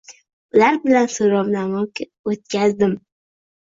Ular bilan so‘rovnoma o‘tkazdim.